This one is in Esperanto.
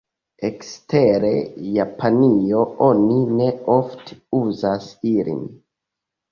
Ekster Japanio, oni ne ofte uzas ilin.